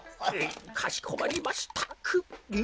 かしこまりました。